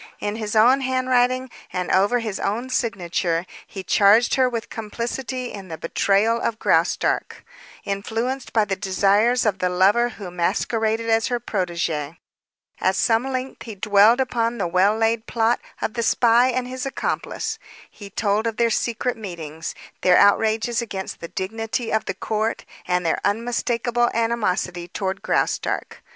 In his own handwriting and over his own signature he charged her with complicity in the betrayal of Graustark, influenced by the desires of the lover who masqueraded as her protege. At some length he dwelt upon the well laid plot of the spy and his accomplice. He told of their secret meetings, their outrages against the dignity of the court, and their unmistakable animosity toward Graustark.